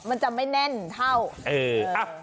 มันจะไม่แน่นเท่าเออ